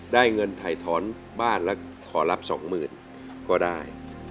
ได้เงินถ่ายถอนบ้านและขอรับสองหมื่นก็ได้